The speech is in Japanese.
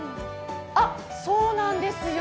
あっ、そうなんですよ。